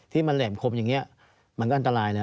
ที่มันแหลมคมอย่างนี้มันก็อันตรายแล้ว